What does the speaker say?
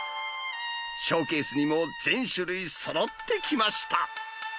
ショーケースにも全種類そろってきました。